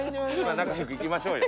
仲良くいきましょうよ。